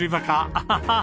アハハ！